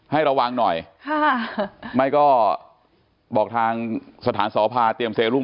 ให้ระวังหน่อยค่ะไม่ก็บอกทางสถานสภาเตรียมเซรุม